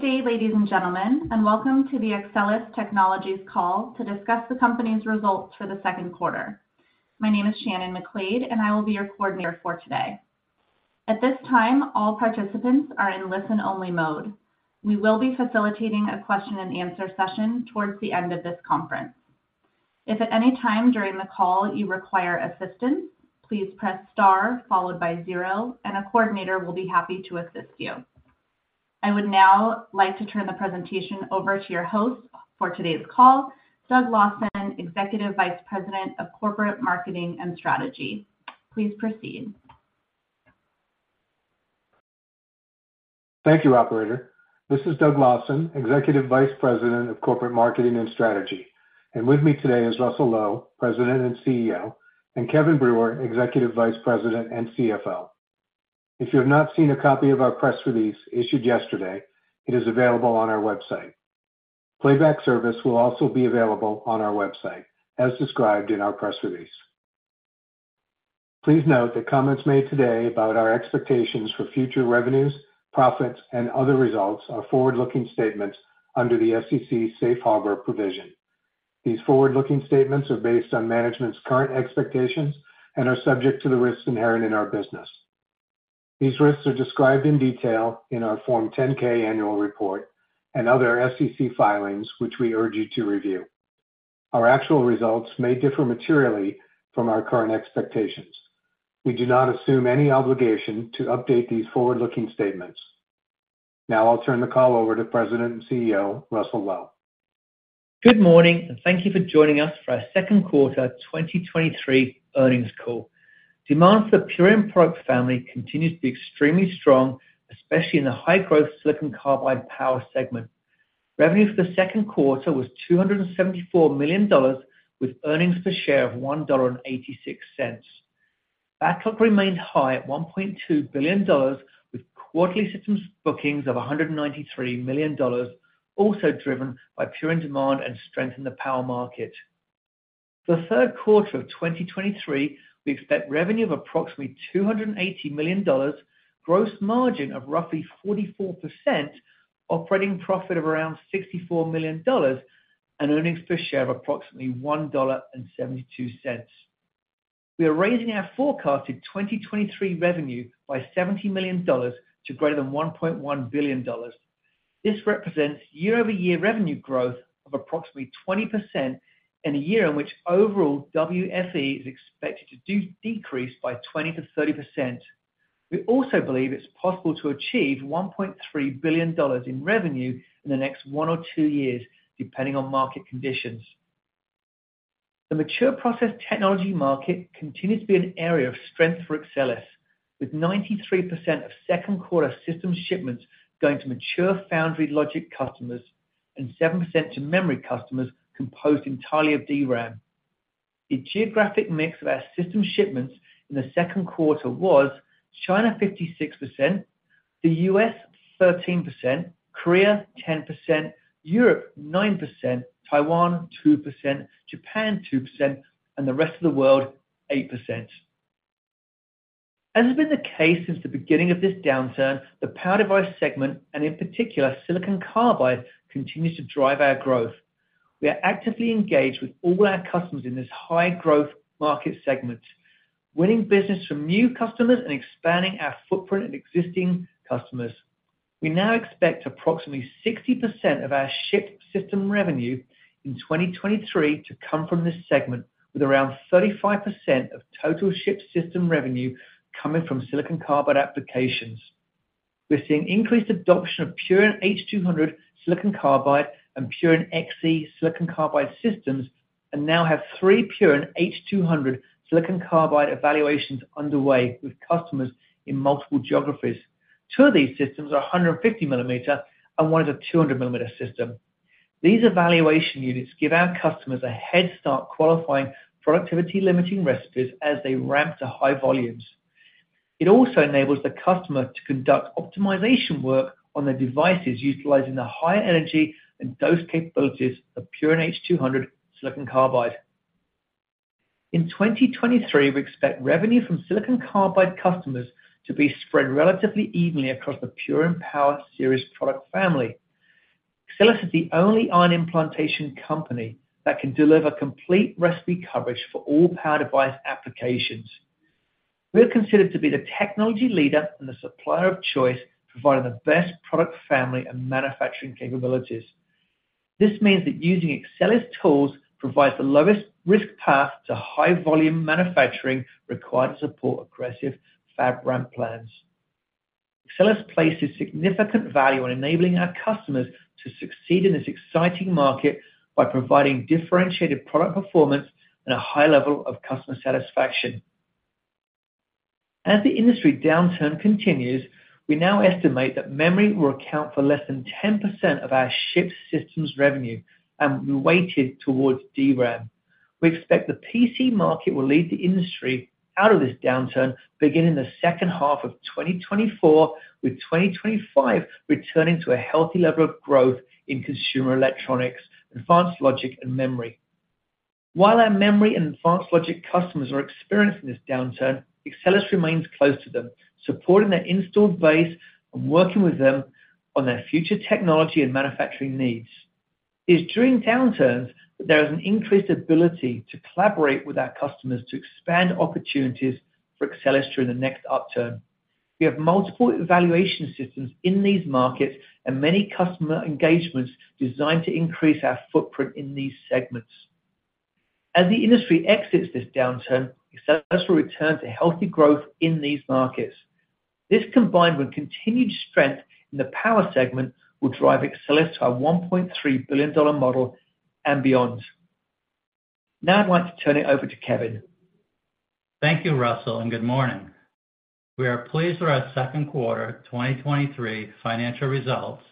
Good day, ladies and gentlemen, welcome to the Axcelis Technologies call to discuss the company's results for the second quarter. My name is Shannon McLeod, I will be your coordinator for today. At this time, all participants are in listen-only mode. We will be facilitating a question and answer session towards the end of this conference. If at any time during the call you require assistance, please press star followed by 0, a coordinator will be happy to assist you. I would now like to turn the presentation over to your host for today's call, Doug Lawson, Executive Vice President of Corporate Marketing and Strategy. Please proceed. Thank you, operator. This is Doug Lawson, Executive Vice President of Corporate Marketing and Strategy, and with me today is Russell Low, President and CEO, and Kevin Brewer, Executive Vice President and CFO. If you have not seen a copy of our press release issued yesterday, it is available on our website. Playback service will also be available on our website, as described in our press release. Please note that comments made today about our expectations for future revenues, profits, and other results are forward-looking statements under the SEC safe harbor provision. These forward-looking statements are based on management's current expectations and are subject to the risks inherent in our business. These risks are described in detail in our Form 10-K annual report and other SEC filings, which we urge you to review. Our actual results may differ materially from our current expectations. We do not assume any obligation to update these forward-looking statements. Now I'll turn the call over to President and CEO, Russell Low. Good morning, thank you for joining us for our second quarter 2023 earnings call. Demand for the Purion product family continues to be extremely strong, especially in the high-growth silicon carbide power segment. Revenue for the second quarter was $274 million, with earnings per share of $1.86. Backlog remained high at $1.2 billion, with quarterly systems bookings of $193 million, also driven by Purion demand and strength in the power market. For the third quarter of 2023, we expect revenue of approximately $280 million, gross margin of roughly 44%, operating profit of around $64 million, and earnings per share of approximately $1.72. We are raising our forecasted 2023 revenue by $70 million to greater than $1.1 billion. This represents year-over-year revenue growth of approximately 20% in a year in which overall WFE is expected to decrease by 20%-30%. We also believe it's possible to achieve $1.3 billion in revenue in the next one or two years, depending on market conditions. The mature process technology market continues to be an area of strength for Axcelis, with 93% of second quarter system shipments going to mature foundry logic customers and 7% to memory customers composed entirely of DRAM. The geographic mix of our system shipments in the second quarter was China, 56%, the U.S., 13%, Korea, 10%, Europe, 9%, Taiwan, 2%, Japan, 2%, and the rest of the world, 8%. As has been the case since the beginning of this downturn, the power device segment, and in particular, silicon carbide, continues to drive our growth. We are actively engaged with all our customers in this high growth market segment, winning business from new customers and expanding our footprint in existing customers. We now expect approximately 60% of our shipped system revenue in 2023 to come from this segment, with around 35% of total shipped system revenue coming from silicon carbide applications. We're seeing increased adoption of Purion H200 silicon carbide and Purion XE silicon carbide systems, and now have three Purion H200 silicon carbide evaluations underway with customers in multiple geographies. Two of these systems are 150 millimeter, and one is a 200 millimeter system. These evaluation units give our customers a head start qualifying productivity-limiting recipes as they ramp to high volumes. It also enables the customer to conduct optimization work on their devices, utilizing the higher energy and dose capabilities of Purion H200 silicon carbide. In 2023, we expect revenue from silicon carbide customers to be spread relatively evenly across the Purion Power Series product family. Axcelis is the only ion implantation company that can deliver complete recipe coverage for all power device applications. We are considered to be the technology leader and the supplier of choice, providing the best product family and manufacturing capabilities. This means that using Axcelis tools provides the lowest risk path to high-volume manufacturing required to support aggressive fab ramp plans. Axcelis places significant value on enabling our customers to succeed in this exciting market by providing differentiated product performance and a high level of customer satisfaction. As the industry downturn continues, we now estimate that memory will account for less than 10% of our shipped systems revenue and be weighted towards DRAM. We expect the PC market will lead the industry out of this downturn, beginning in the second half of 2024, with 2025 returning to a healthy level of growth in consumer electronics, advanced logic, and memory. While our memory and advanced logic customers are experiencing this downturn, Axcelis remains close to them, supporting their installed base and working with them on their future technology and manufacturing needs. It is during downturns that there is an increased ability to collaborate with our customers to expand opportunities for Axcelis during the next upturn. We have multiple evaluation systems in these markets and many customer engagements designed to increase our footprint in these segments. As the industry exits this downturn, Axcelis will return to healthy growth in these markets. This, combined with continued strength in the power segment, will drive Axcelis to our $1.3 billion model and beyond. Now I'd like to turn it over to Kevin. Thank you, Russell. Good morning. We are pleased with our second quarter 2023 financial results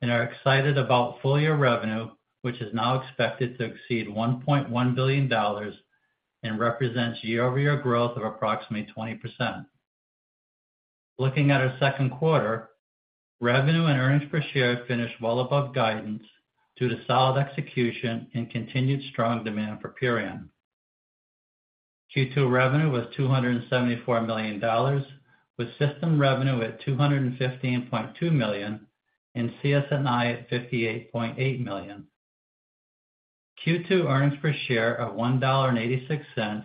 and are excited about full-year revenue, which is now expected to exceed $1.1 billion and represents year-over-year growth of approximately 20%. Looking at our second quarter, revenue and earnings per share finished well above guidance due to solid execution and continued strong demand for Purion. Q2 revenue was $274 million, with system revenue at $215.2 million and CS&I at $58.8 million. Q2 earnings per share of $1.86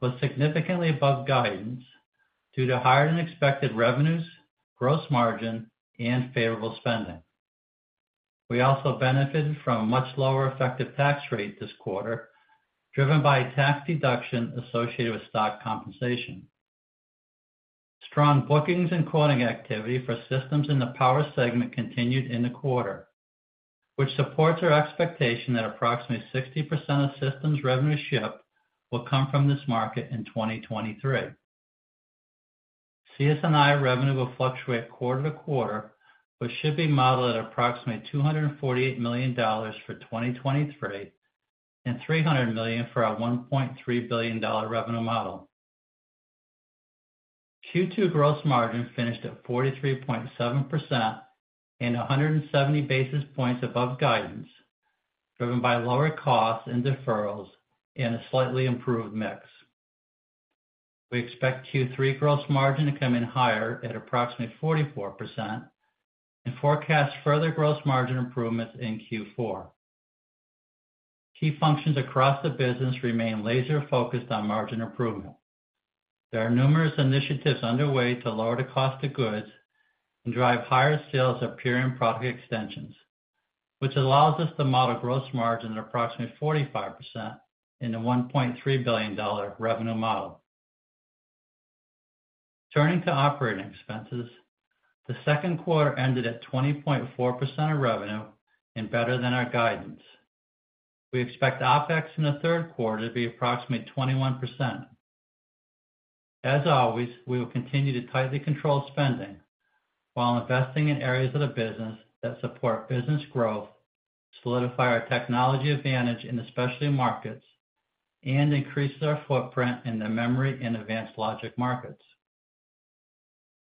was significantly above guidance due to higher-than-expected revenues, gross margin, and favorable spending. We also benefited from a much lower effective tax rate this quarter, driven by a tax deduction associated with stock compensation. Strong bookings and quoting activity for systems in the power segment continued in the quarter, which supports our expectation that approximately 60% of systems revenue shipped will come from this market in 2023. CS&I revenue will fluctuate quarter to quarter, but should be modeled at approximately $248 million for 2023, and $300 million for our $1.3 billion revenue model. Q2 gross margin finished at 43.7% and 170 basis points above guidance, driven by lower costs and deferrals and a slightly improved mix. We expect Q3 gross margin to come in higher at approximately 44% and forecast further gross margin improvements in Q4. Key functions across the business remain laser-focused on margin improvement. There are numerous initiatives underway to lower the cost of goods and drive higher sales of Purion product extensions, which allows us to model gross margin at approximately 45% in the $1.3 billion revenue model. Turning to OpEx, the second quarter ended at 20.4% of revenue and better than our guidance. We expect OpEx in the third quarter to be approximately 21%. As always, we will continue to tightly control spending while investing in areas of the business that support business growth, solidify our technology advantage in the specialty markets, and increase our footprint in the memory and advanced logic markets.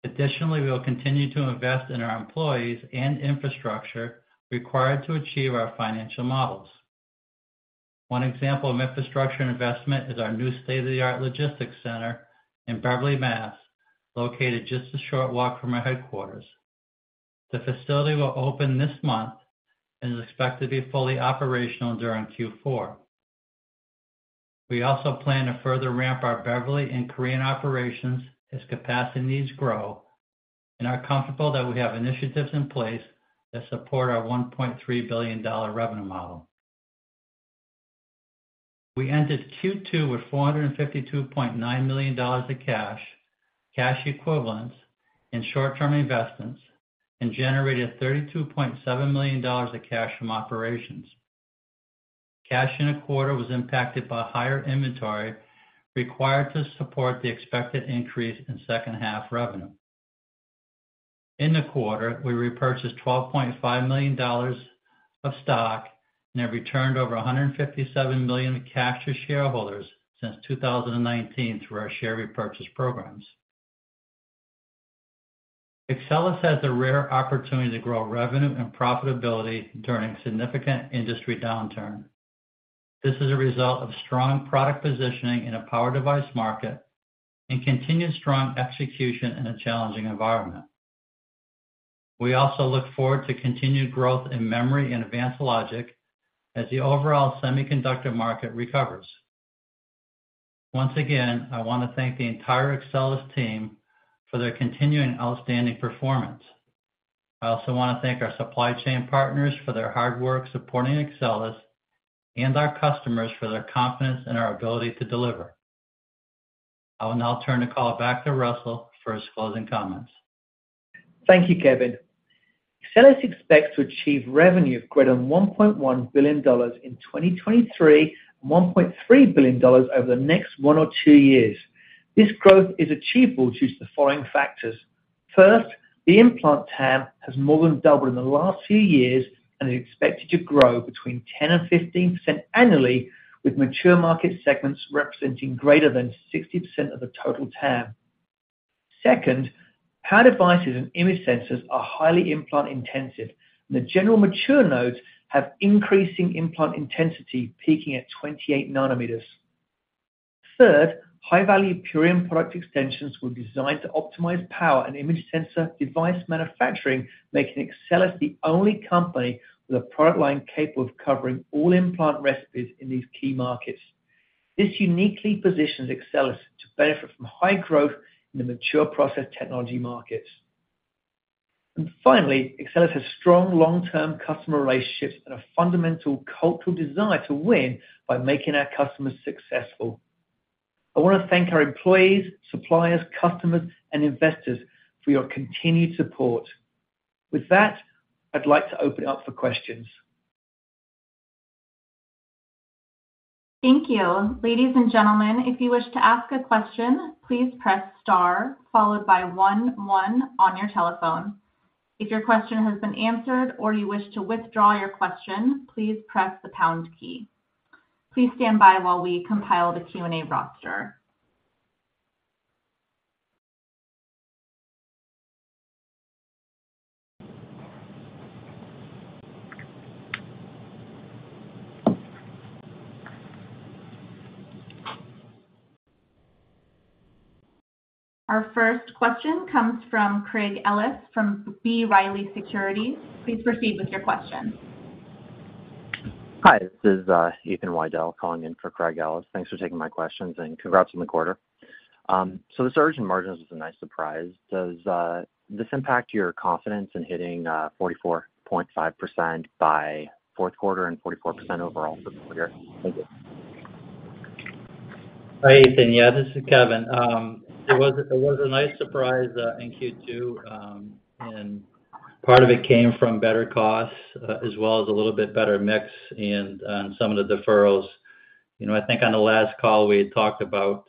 Additionally, we will continue to invest in our employees and infrastructure required to achieve our financial models. One example of infrastructure investment is our new state-of-the-art logistics center in Beverly, Mass, located just a short walk from our headquarters. The facility will open this month and is expected to be fully operational during Q4. We also plan to further ramp our Beverly and Korean operations as capacity needs grow and are comfortable that we have initiatives in place that support our $1.3 billion revenue model. We ended Q2 with $452.9 million of cash, cash equivalents, and short-term investments, and generated $32.7 million of cash from operations. Cash in the quarter was impacted by higher inventory required to support the expected increase in second half revenue. In the quarter, we repurchased $12.5 million of stock and have returned over $157 million in cash to shareholders since 2019 through our share repurchase programs. Axcelis has the rare opportunity to grow revenue and profitability during a significant industry downturn. This is a result of strong product positioning in a power device market and continued strong execution in a challenging environment. We also look forward to continued growth in memory and advanced logic as the overall semiconductor market recovers. Once again, I want to thank the entire Axcelis team for their continuing outstanding performance. I also want to thank our supply chain partners for their hard work supporting Axcelis and our customers for their confidence in our ability to deliver. I will now turn the call back to Russell for his closing comments. Thank you, Kevin. Axcelis expects to achieve revenue of greater than $1.1 billion in 2023, and $1.3 billion over the next 1 or 2 years. This growth is achievable due to the following factors: First, the implant TAM has more than doubled in the last few years and is expected to grow between 10% and 15% annually, with mature market segments representing greater than 60% of the total TAM. Second, power devices and image sensors are highly implant intensive, and the general mature nodes have increasing implant intensity, peaking at 28 nanometers. Third, high-value Purion product extensions were designed to optimize power and image sensor device manufacturing, making Axcelis the only company with a product line capable of covering all implant recipes in these key markets. Finally, Axcelis has strong long-term customer relationships and a fundamental cultural desire to win by making our customers successful. I want to thank our employees, suppliers, customers, and investors for your continued support. With that, I'd like to open it up for questions. Thank you. Ladies and gentlemen, if you wish to ask a question, please press star, followed by 1 1 on your telephone. If your question has been answered or you wish to withdraw your question, please press the pound key. Please stand by while we compile the Q&A roster. Our first question comes from Craig Ellis from B. Riley Securities. Please proceed with your question. Hi, this is Ethan Widell calling in for Craig Ellis. Thanks for taking my questions, and congrats on the quarter. The surge in margins is a nice surprise. Does this impact your confidence in hitting 44.5% by fourth quarter and 44% overall for the year? Thank you. Hi, Ethan. Yeah, this is Kevin. It was, it was a nice surprise in Q2. Part of it came from better costs, as well as a little bit better mix and some of the deferrals. You know, I think on the last call, we had talked about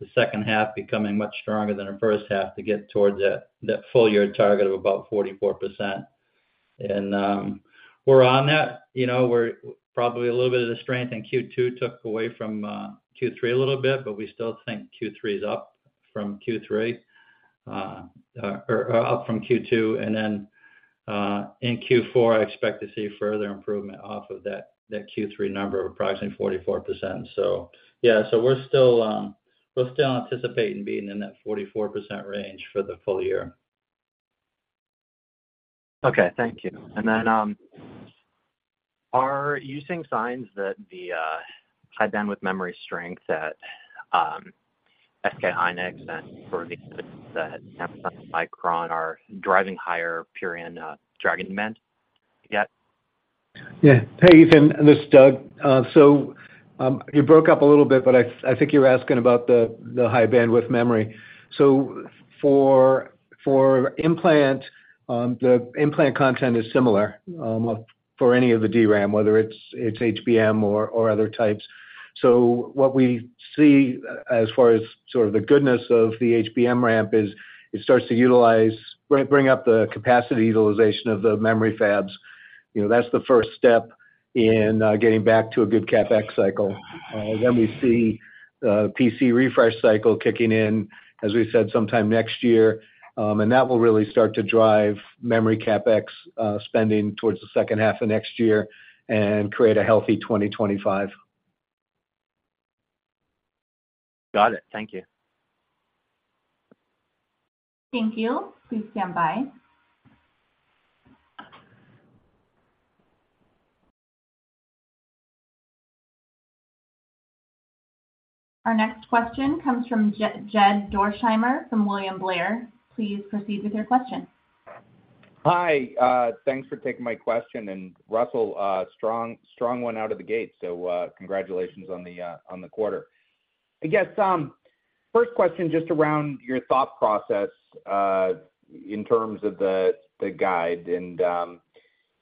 the second half becoming much stronger than our first half to get towards that, that full year target of about 44%. We're on that. You know, probably a little bit of the strength in Q2 took away from Q3 a little bit, but we still think Q3 is up from Q3, or up from Q2. In Q4, I expect to see further improvement off of that, that Q3 number of approximately 44%. Yeah, so we're still, we're still anticipating being in that 44% range for the full year. Okay, thank you. Are you seeing signs that the high-bandwidth memory strength at SK Hynix and sort of the, that Micron are driving higher Purion driving demand yet? Yeah. Hey, Ethan, this is Doug. You broke up a little bit, but I, I think you're asking about the high-bandwidth memory. For, for implant, the implant content is similar for any of the DRAM, whether it's HBM or other types. What we see as far as sort of the goodness of the HBM ramp is it starts to bring, bring up the capacity utilization of the memory fabs. You know, that's the first step in getting back to a good CapEx cycle. We see the PC refresh cycle kicking in, as we said, sometime next year, and that will really start to drive memory CapEx spending towards the second half of next year and create a healthy 2025. Got it. Thank you. Thank you. Please stand by. Our next question comes from Jed Dorsheimer from William Blair. Please proceed with your question. Hi, thanks for taking my question. Russell, strong, strong one out of the gate, so congratulations on the quarter. I guess, first question, just around your thought process in terms of the guide and,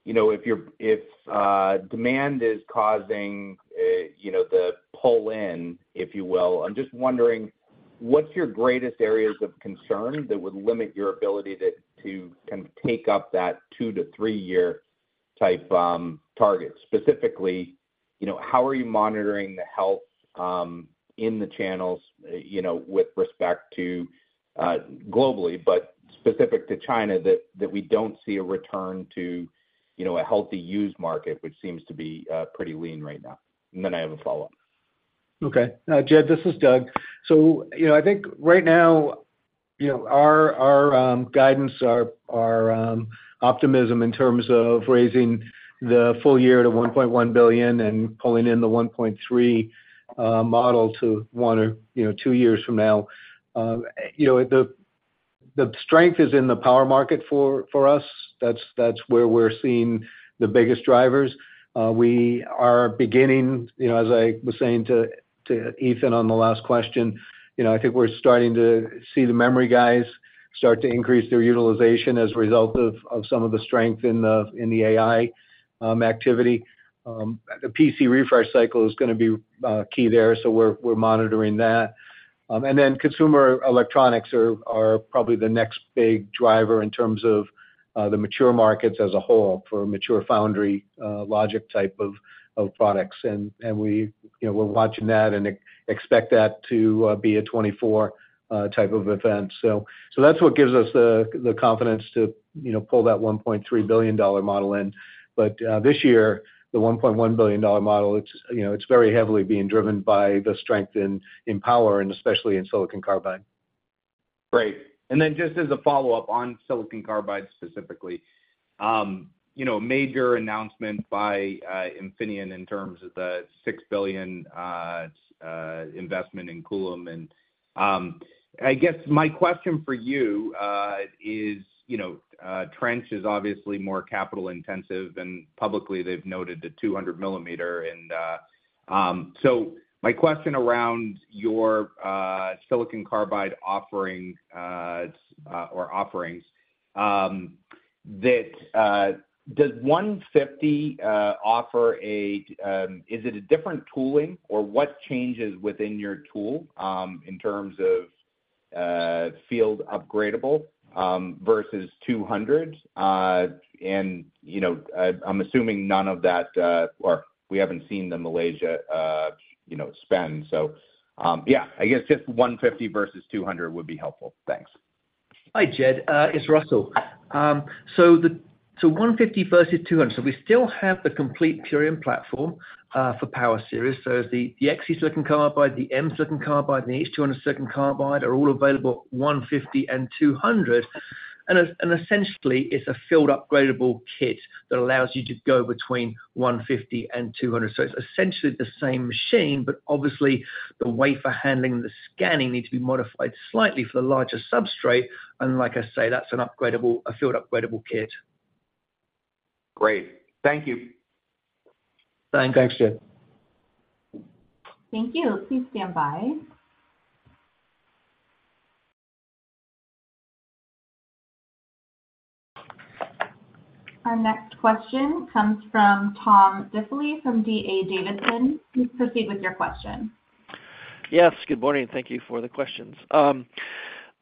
you know, if you're if demand is causing, you know, the pull in, if you will, I'm just wondering, what's your greatest areas of concern that would limit your ability to, to kind of take up that 2-3 year type target? Specifically, you know, how are you monitoring the health in the channels, you know, with respect to globally, but specific to China, that, that we don't see a return to, you know, a healthy used market, which seems to be pretty lean right now? Then I have a follow-up. Okay. Jed, this is Doug. You know, I think right now, you know, our, our guidance, our, our optimism in terms of raising the full year to $1.1 billion and pulling in the $1.3 billion model to one or, you know, two years from now, you know, the strength is in the power market for, for us. That's, that's where we're seeing the biggest drivers. We are beginning, you know, as I was saying to Ethan on the last question, you know, I think we're starting to see the memory guys start to increase their utilization as a result of some of the strength in the AI activity. The PC refresh cycle is gonna be key there, so we're, we're monitoring that. Then consumer electronics are, are probably the next big driver in terms of the mature markets as a whole for mature foundry, logic type of products. We, you know, we're watching that and expect that to be a 2024 type of event. That's what gives us the confidence to, you know, pull that $1.3 billion model in. This year, the $1.1 billion model, it's, you know, it's very heavily being driven by the strength in power and especially in silicon carbide. Great. Then just as a follow-up on silicon carbide specifically, you know, major announcement by Infineon in terms of the $6 billion investment in Kulim. I guess my question for you is, you know, trench is obviously more capital intensive, and publicly, they've noted the 200 millimeter. My question around your silicon carbide offering or offerings, that does 150 offer a, is it a different tooling, or what changes within your tool in terms of field upgradable versus 200? And, you know, I'm assuming none of that, or we haven't seen the Malaysia, you know, spend. Yeah, I guess just 150 versus 200 would be helpful. Thanks. Hi, Jed, it's Russell Low. The 150 versus 200. We still have the complete Purion platform for power series. The XE Silicon Carbide, the M Silicon Carbide, and the H200 Silicon Carbide are all available at 150 and 200. Essentially, it's a field upgradable kit that allows you to go between 150 and 200. It's essentially the same machine, but obviously, the way for handling the scanning need to be modified slightly for the larger substrate. Like I say, that's an upgradable, a field upgradable kit. Great. Thank you. Thanks. Thanks, Jed. Thank you. Please stand by. Our next question comes from Tom Diffely from D.A. Davidson. Please proceed with your question. Yes, good morning, and thank you for the questions.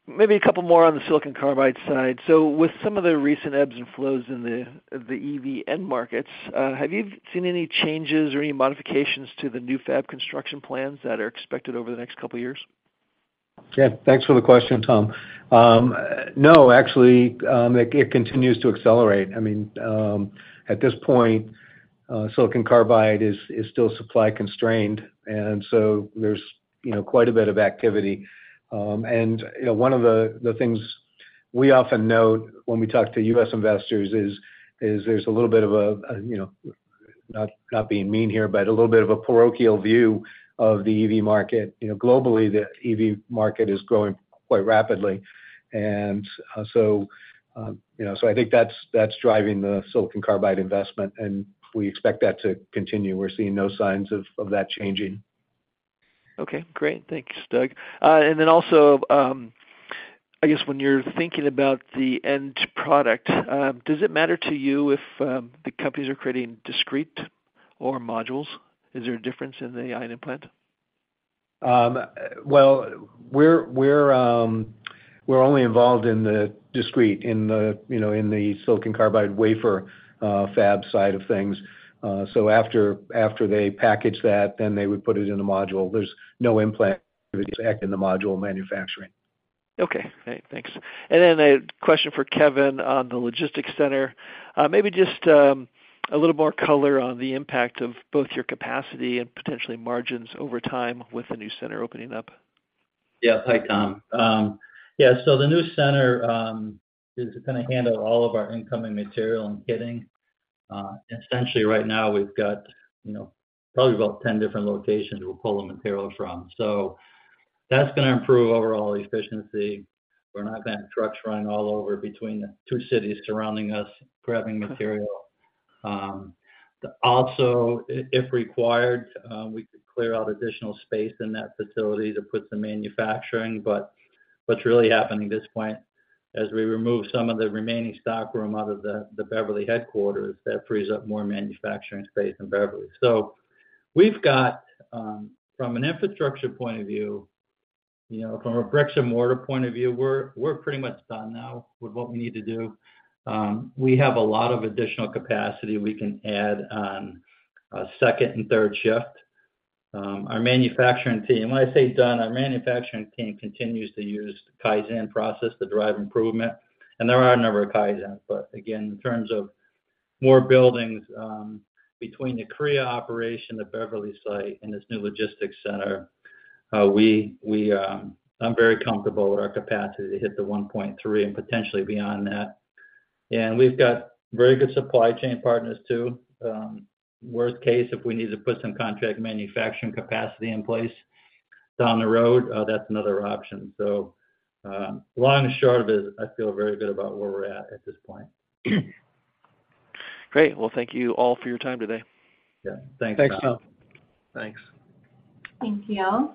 Maybe 2 more on the silicon carbide side. With some of the recent ebbs and flows in the, the EV end markets, have you seen any changes or any modifications to the new fab construction plans that are expected over the next 2 years? Yeah, thanks for the question, Tom. no, actually, it, it continues to accelerate. I mean, at this point, silicon carbide is, is still supply constrained, and so there's, you know, quite a bit of activity. You know, one of the, the things we often note when we talk to U.S. investors is, is there's a little bit of a, a, you know, not, not being mean here, but a little bit of a parochial view of the EV market. You know, globally, the EV market is growing quite rapidly. You know, so I think that's, that's driving the silicon carbide investment, and we expect that to continue. We're seeing no signs of, of that changing. Okay, great. Thanks, Doug. Then also, I guess when you're thinking about the end product, does it matter to you if the companies are creating discrete or modules? Is there a difference in the ion implant? Well, we're, we're, we're only involved in the discrete, in the, you know, in the silicon carbide wafer, fab side of things. After, after they package that, then they would put it in a module. There's no implant effect in the module manufacturing. Okay, great. Thanks. Then a question for Kevin on the logistics center. Maybe just a little more color on the impact of both your capacity and potentially margins over time with the new center opening up? Yeah. Hi, Tom. Yeah, the new center is gonna handle all of our incoming material and kitting. Essentially, right now we've got, you know, probably about 10 different locations we pull the material from. That's gonna improve overall efficiency. We're not getting trucks running all over between the 2 cities surrounding us, grabbing material. Also, if required, we could clear out additional space in that facility to put some manufacturing. What's really happening at this point, as we remove some of the remaining stock room out of the, the Beverly headquarters, that frees up more manufacturing space in Beverly. We've got, from an infrastructure point of view, you know, from a bricks-and-mortar point of view, we're, we're pretty much done now with what we need to do. We have a lot of additional capacity we can add on, second and third shift. Our manufacturing team-- when I say done, our manufacturing team continues to use Kaizen process to drive improvement, and there are a number of Kaizen. Again, in terms of more buildings, between the Korea operation, the Beverly site, and this new logistics center, we, we... I'm very comfortable with our capacity to hit the $1.3 and potentially beyond that. We've got very good supply chain partners, too. Worst case, if we need to put some contract manufacturing capacity in place down the road, that's another option. Long and short of it, I feel very good about where we're at at this point. Great. Well, thank you all for your time today. Yeah. Thanks, Tom. Thanks, Tom. Thanks. Thank you.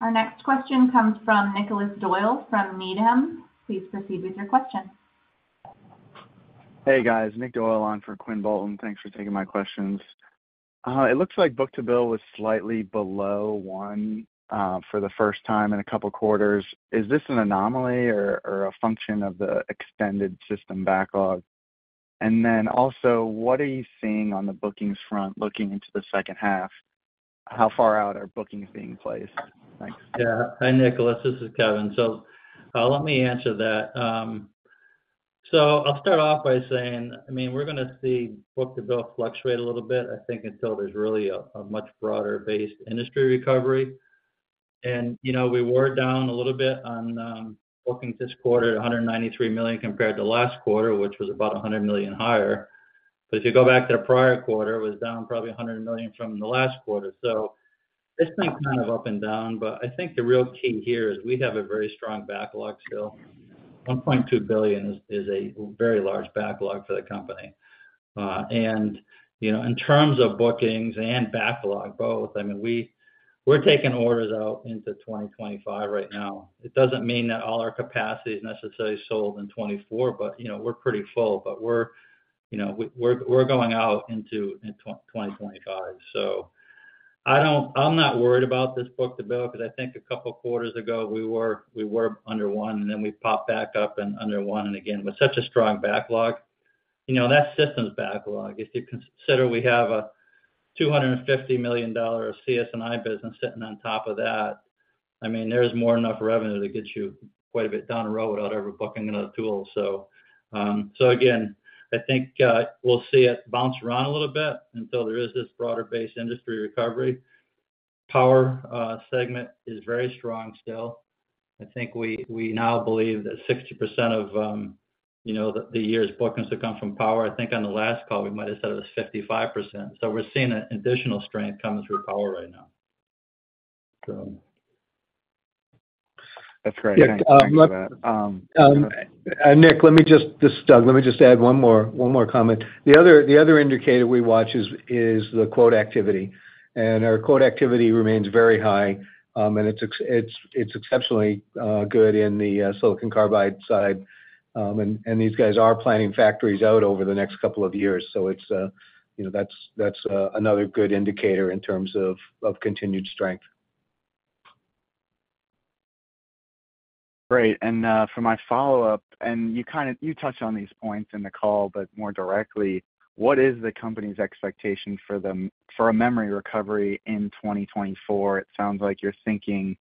Our next question comes from Nicholas Doyle from Needham. Please proceed with your question. Hey, guys. Nick Doyle on for Quinn Bolton. Thanks for taking my questions. It looks like book-to-bill was slightly below 1, for the first time in a couple quarters. Is this an anomaly or, or a function of the extended system backlog? Then also, what are you seeing on the bookings front, looking into the second half? How far out are bookings being placed? Thanks. Yeah. Hi, Nicolas, this is Kevin. Let me answer that. I'll start off by saying, I mean, we're gonna see book-to-bill fluctuate a little bit, I think, until there's really a, a much broader-based industry recovery. You know, we were down a little bit on bookings this quarter, $193 million compared to last quarter, which was about $100 million higher. If you go back to the prior quarter, it was down probably $100 million from the last quarter. It's been kind of up and down, but I think the real key here is we have a very strong backlog still. $1.2 billion is, is a very large backlog for the company. You know, in terms of bookings and backlog, both, I mean, we're taking orders out into 2025 right now. It doesn't mean that all our capacity is necessarily sold in 2024, you know, we're pretty full. We're, you know, we're, we're going out into, in 2025. I don't I'm not worried about this book-to-bill, 'cause I think a couple of quarters ago, we were, we were under 1, and then we popped back up and under 1, and again, with such a strong backlog. You know, that system's backlog, if you consider we have a $250 million CS&I business sitting on top of that, I mean, there's more enough revenue to get you quite a bit down the road without ever booking another tool. Again, I think we'll see it bounce around a little bit until there is this broader-based industry recovery. Power segment is very strong still. I think we, we now believe that 60% of, you know, the, the year's bookings will come from power. I think on the last call, we might have said it was 55%. We're seeing an additional strength coming through power right now, so. That's great. Thank you for that. Nick Doyle, this is Doug Lawson. Let me just add one more, one more comment. The other, the other indicator we watch is, is the quote activity, and our quote activity remains very high, and it's exceptionally good in the silicon carbide side. These guys are planning factories out over the next couple of years, so it's, you know, that's, that's another good indicator in terms of, of continued strength. Great. For my follow-up, and you touched on these points in the call, but more directly, what is the company's expectation for a memory recovery in 2024? It sounds like you're thinking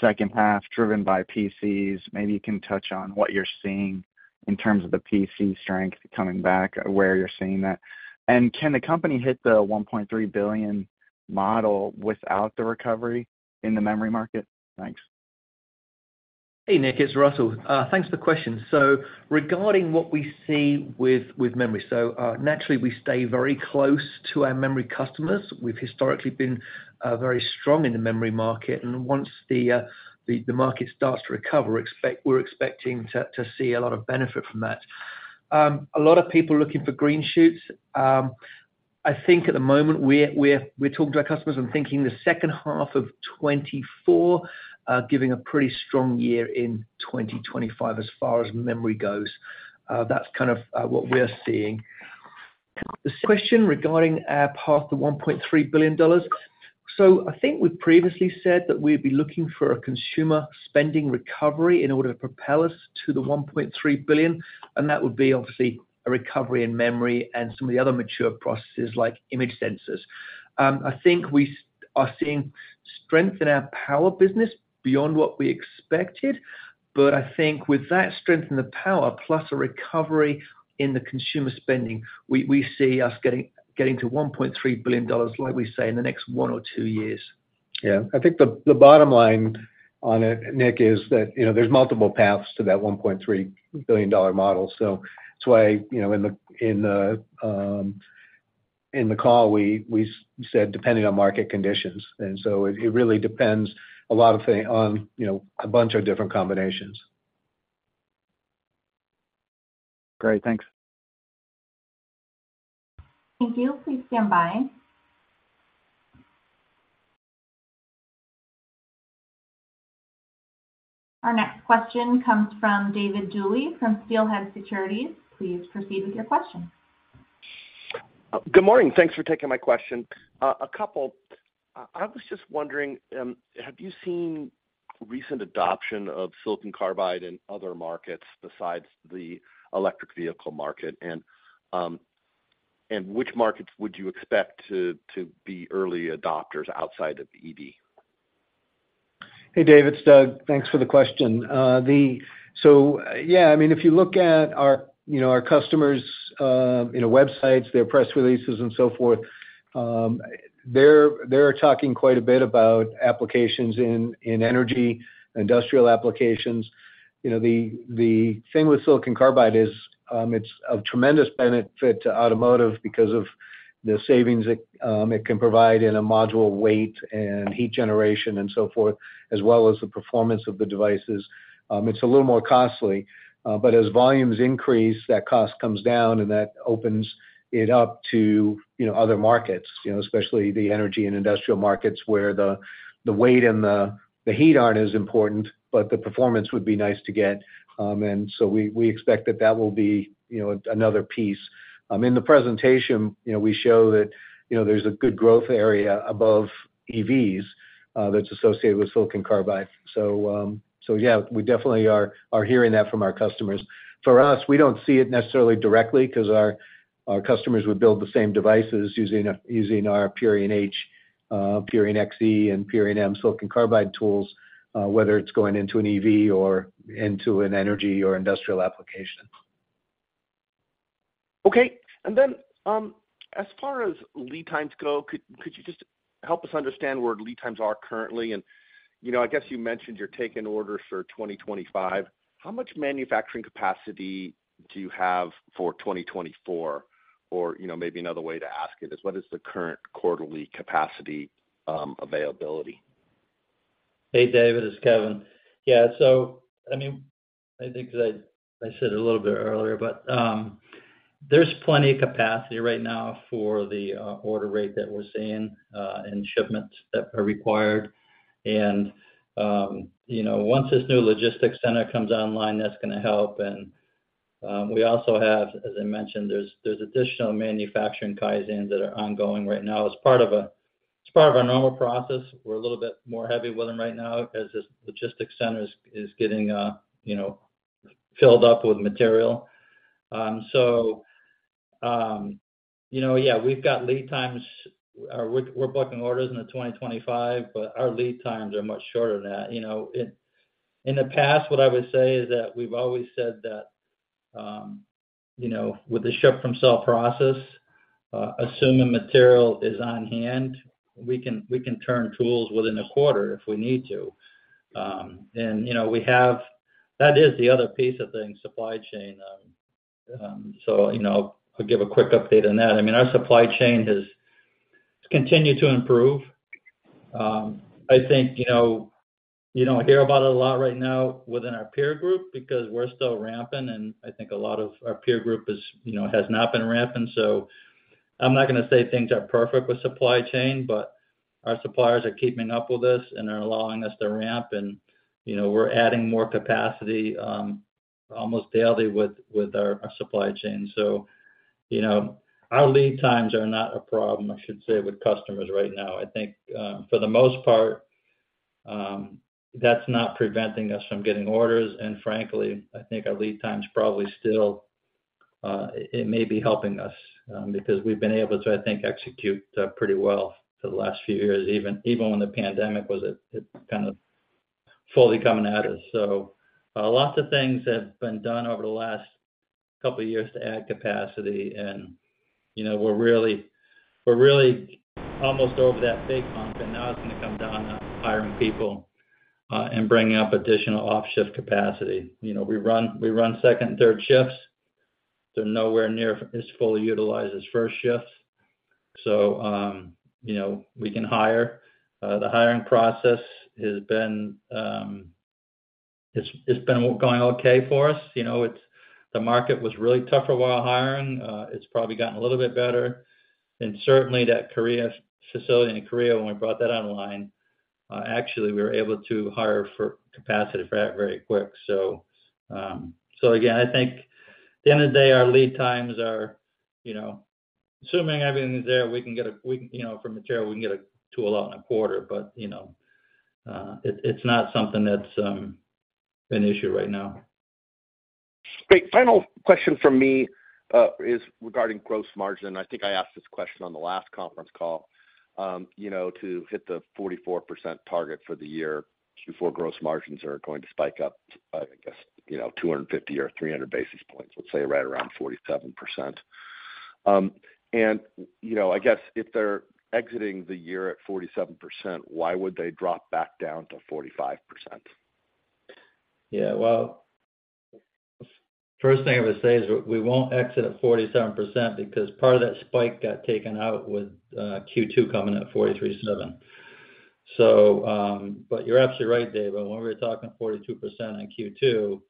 second half, driven by PCs. Maybe you can touch on what you're seeing in terms of the PC strength coming back, where you're seeing that. Can the company hit the $1.3 billion model without the recovery in the memory market? Thanks. Hey, Nick, it's Russell. Thanks for the question. Regarding what we see with memory, naturally, we stay very close to our memory customers. We've historically been very strong in the memory market, and once the market starts to recover, we're expecting to see a lot of benefit from that. A lot of people looking for green shoots. I think at the moment, we're talking to our customers and thinking the second half of 2024, giving a pretty strong year in 2025, as far as memory goes. That's kind of what we're seeing. The second question regarding our path to $1.3 billion. I think we've previously said that we'd be looking for a consumer spending recovery in order to propel us to the $1.3 billion, and that would be obviously a recovery in memory and some of the other mature processes like image sensors. I think we are seeing strength in our power business beyond what we expected, but I think with that strength in the power, plus a recovery in the consumer spending, we, we see us getting, getting to $1.3 billion, like we say, in the next one or two years. Yeah. I think the, the bottom line on it, Nick, is that, you know, there's multiple paths to that $1.3 billion model. That's why, you know, in the, in the, in the call, we said, depending on market conditions. It, it really depends a lot of thing on, you know, a bunch of different combinations. Great. Thanks. Thank you. Please stand by. Our next question comes from David Duley from Steelhead Securities. Please proceed with your question. Good morning. Thanks for taking my question. A couple. I was just wondering, have you seen recent adoption of silicon carbide in other markets besides the electric vehicle market? Which markets would you expect to, to be early adopters outside of EV? Hey, David, it's Doug. Thanks for the question. The-- yeah, I mean, if you look at our, you know, our customers', you know, websites, their press releases and so forth, they're, they're talking quite a bit about applications in, in energy, industrial applications. You know, the, the thing with silicon carbide is, it's of tremendous benefit to automotive because of the savings it, it can provide in a module weight and heat generation and so forth, as well as the performance of the devices. It's a little more costly, as volumes increase, that cost comes down, and that opens it up to, you know, other markets, you know, especially the energy and industrial markets, where the, the weight and the, the heat aren't as important, but the performance would be nice to get. We, we expect that that will be, you know, another piece. In the presentation, you know, we show that, you know, there's a good growth area above EVs that's associated with silicon carbide. Yeah, we definitely are, are hearing that from our customers. For us, we don't see it necessarily directly, 'cause our, our customers would build the same devices using our Purion H, Purion XE, and Purion M silicon carbide tools, whether it's going into an EV or into an energy or industrial application. Okay, and then, as far as lead times go, could, could you just help us understand where lead times are currently? You know, I guess you mentioned you're taking orders for 2025. How much manufacturing capacity do you have for 2024? You know, maybe another way to ask it is, what is the current quarterly capacity availability? Hey, David, it's Kevin. Yeah, I mean, I think 'cause I, I said it a little bit earlier, but there's plenty of capacity right now for the order rate that we're seeing and shipments that are required. You know, once this new logistics center comes online, that's gonna help. We also have, as I mentioned, there's, there's additional manufacturing Kaizens that are ongoing right now as part of as part of our normal process. We're a little bit more heavy with them right now as this logistics center is, is getting, you know, filled up with material. You know, yeah, we've got lead times. We're, we're booking orders into 2025, but our lead times are much shorter than that. You know, in, in the past, what I would say is that we've always said that, you know, with the ship-from-cell process, assuming material is on hand, we can, we can turn tools within a quarter if we need to. You know, we have. That is the other piece of the supply chain. You know, I'll give a quick update on that. I mean, our supply chain has continued to improve. I think, you know, you don't hear about it a lot right now within our peer group because we're still ramping, and I think a lot of our peer group is, you know, has not been ramping. I'm not gonna say things are perfect with supply chain, but our suppliers are keeping up with us, and they're allowing us to ramp. You know, we're adding more capacity almost daily with, with our, our supply chain. You know, our lead times are not a problem, I should say, with customers right now. I think, for the most part, that's not preventing us from getting orders, and frankly, I think our lead time's probably still, it may be helping us, because we've been able to, I think, execute pretty well for the last few years, even, even when the pandemic was kind of fully coming at us. Lots of things have been done over the last couple of years to add capacity, and, you know, we're really, we're really almost over that big hump, and now it's gonna come down to hiring people, and bringing up additional offshift capacity. You know, we run, we run second and third shifts. They're nowhere near as fully utilized as first shifts. You know, we can hire. The hiring process has been, it's, it's been going okay for us. You know, it's, the market was really tough for a while hiring. It's probably gotten a little bit better. Certainly that Korea, facility in Korea, when we brought that online, actually, we were able to hire for capacity for that very quick. So again, I think at the end of the day, our lead times are, you know, assuming everything is there, we can get a, we, you know, from material, we can get a tool out in a quarter, but, you know, it, it's not something that's an issue right now. Great. Final question from me is regarding gross margin. I think I asked this question on the last conference call. You know, to hit the 44% target for the year before gross margins are going to spike up, I guess, you know, 250 or 300 basis points, let's say right around 47%. You know, I guess if they're exiting the year at 47%, why would they drop back down to 45%? Yeah, well, first thing I would say is we won't exit at 47% because part of that spike got taken out with Q2 coming at 43.7%. But you're absolutely right, David. When we were talking 42% in Q2,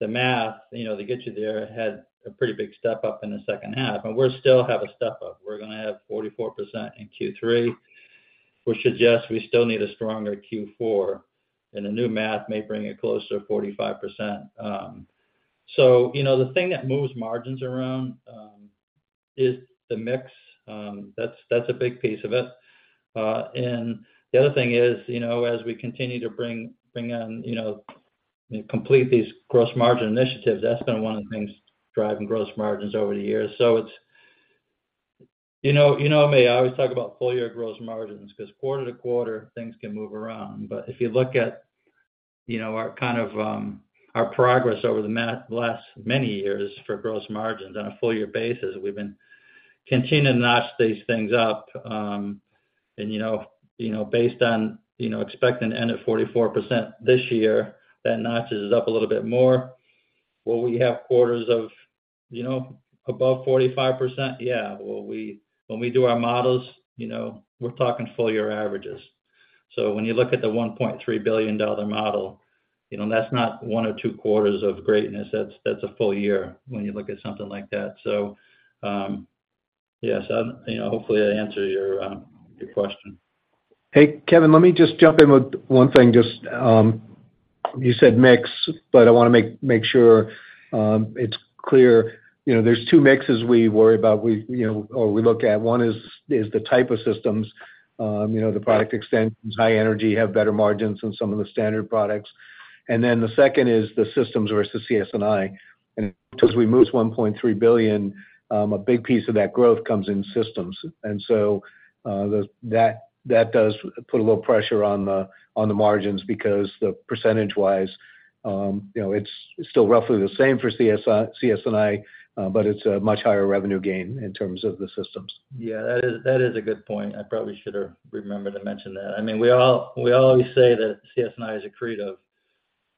the math, you know, to get you there, had a pretty big step up in the second half, and we're still have a step-up. We're gonna have 44% in Q3, which suggests we still need a stronger Q4, and the new math may bring it closer to 45%. You know, the thing that moves margins around is the mix. That's, that's a big piece of it. The other thing is, you know, as we continue to bring, bring on, you know, complete these gross margin initiatives, that's been one of the things driving gross margins over the years. It's... You know, you know me, I always talk about full year gross margins, 'cause quarter to quarter, things can move around. If you look at, you know, our kind of, our progress over the last many years for gross margins on a full year basis, we've been continuing to notch these things up. You know, you know, based on, you know, expecting to end at 44% this year, that notches it up a little bit more. Will we have quarters of, you know, above 45%? Yeah. Well, when we do our models, you know, we're talking full year averages. When you look at the $1.3 billion model, you know, that's not 1 or 2 quarters of greatness. That's, that's a full year when you look at something like that. Yes, you know, hopefully, I answered your question. Hey, Kevin, let me just jump in with one thing. Just, you said mix, but I wanna make, make sure, it's clear. You know, there's two mixes we worry about, we, you know, or we look at. One is, is the type of systems, you know, the product extensions, high energy, have better margins than some of the standard products. Then the second is the systems versus CS&I. As we move to $1.3 billion, a big piece of that growth comes in systems. So, that, that does put a little pressure on the, on the margins because the percentage-wise, you know, it's, it's still roughly the same for CS-CS&I, but it's a much higher revenue gain in terms of the systems. Yeah, that is, that is a good point. I probably should have remembered to mention that. I mean, we all, we always say that CS&I is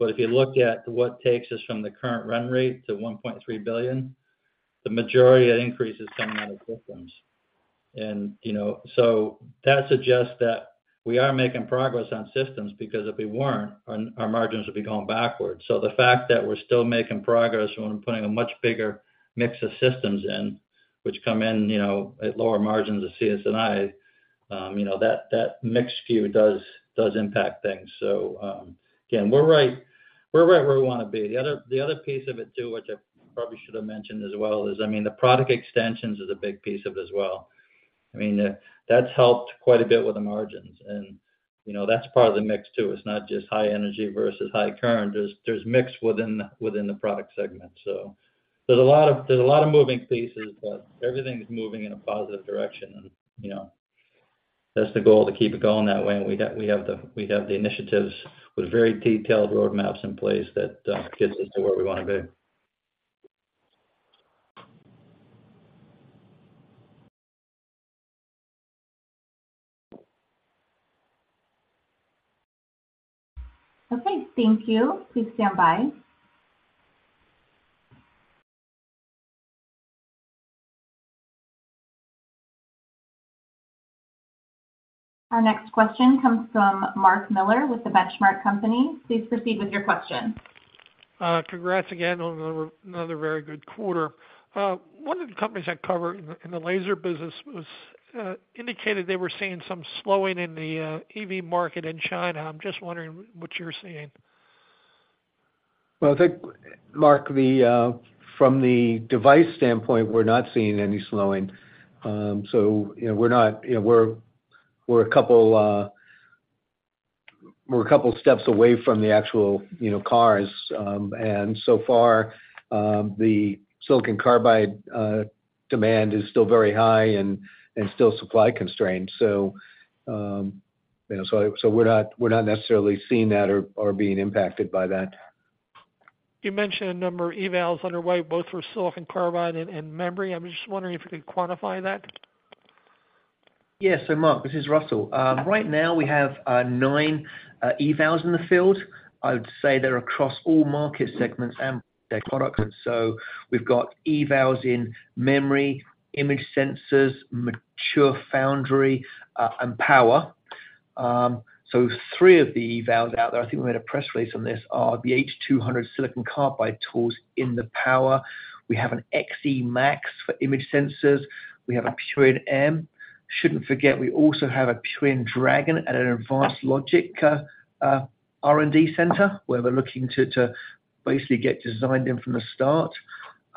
accretive, if you look at what takes us from the current run rate to $1.3 billion, the majority of increase is coming out of systems. You know, that suggests that we are making progress on systems, because if we weren't, our, our margins would be going backwards. The fact that we're still making progress when we're putting a much bigger mix of systems in, which come in, you know, at lower margins of CS&I, you know, that, that mix SKU does, does impact things. Again, we're right, we're right where we wanna be. The other, the other piece of it, too, which I probably should have mentioned as well, is, I mean, the product extensions is a big piece of it as well. I mean, that's helped quite a bit with the margins, and, you know, that's part of the mix, too. It's not just high energy versus high current. There's, there's mix within, within the product segment. There's a lot of, there's a lot of moving pieces, but everything's moving in a positive direction. You know, that's the goal, to keep it going that way. We have the, we have the initiatives with very detailed roadmaps in place that gets us to where we wanna be. Okay, thank you. Please stand by. Our next question comes from Mark Miller with The Benchmark Company. Please proceed with your question. Congrats again on another very good quarter. One of the companies I cover in the, in the laser business was indicated they were seeing some slowing in the EV market in China. I'm just wondering what you're seeing. Well, I think, Mark, the, from the device standpoint, we're not seeing any slowing. You know, we're, we're a couple, we're a couple steps away from the actual, you know, cars, so far, the silicon carbide demand is still very high and, and still supply constrained. You know, we're not, we're not necessarily seeing that or, or being impacted by that. You mentioned a number of evals underway, both for silicon carbide and, and memory. I'm just wondering if you could quantify that? Yes. Mark, this is Russell. Right now we have 9 evals in the field. I would say they're across all market segments and their products. We've got evals in memory, image sensors, mature foundry, and power. Three of the evals out there, I think we had a press release on this, are the H200 silicon carbide tools in the power. We have a Purion XEmax for image sensors. We have a Purion M. Shouldn't forget, we also have a Purion Dragon at an advanced logic R&D center, where we're looking to, to basically get designed in from the start.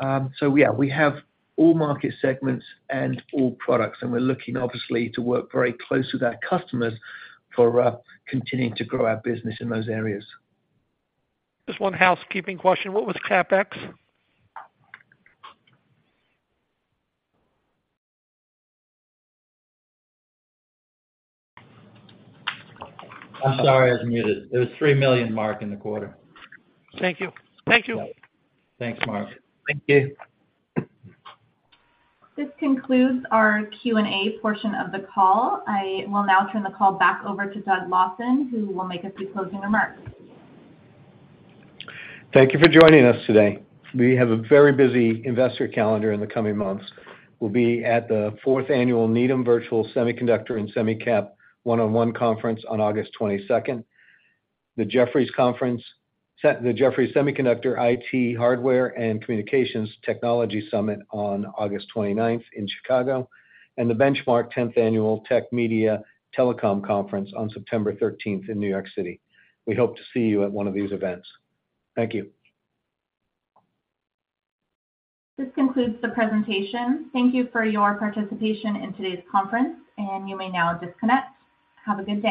Yeah, we have all market segments and all products, and we're looking obviously to work very closely with our customers for continuing to grow our business in those areas. Just one housekeeping question. What was CapEx? I'm sorry, I was muted. It was $3 million, Mark, in the quarter. Thank you. Thank you. Thanks, Mark. Thank you. This concludes our Q&A portion of the call. I will now turn the call back over to Doug Lawson, who will make a few closing remarks. Thank you for joining us today. We have a very busy investor calendar in the coming months. We'll be at the 4th Annual Needham Virtual Semiconductor & SemiCap One-on-One Conference on August 22nd, the Jefferies Semiconductor, IT Hardware & Communications Technology Summit on August 29th in Chicago, and the Benchmark 10th Annual Tech Media Telecom Conference on September 13th in New York City. We hope to see you at one of these events. Thank you. This concludes the presentation. Thank you for your participation in today's conference. You may now disconnect. Have a good day.